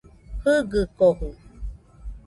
Jɨgɨkojɨ